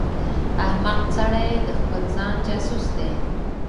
احمق سړی د خپل ځان جاسوس دی.